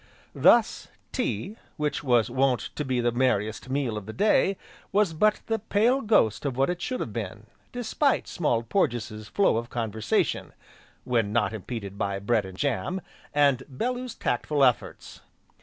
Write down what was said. Thus, Tea, which was wont to be the merriest meal of the day, was but the pale ghost of what it should have been, despite Small Porges' flow of conversation, (when not impeded by bread and jam), and Bellew's tactful efforts.